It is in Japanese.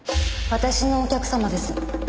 私のお客様です。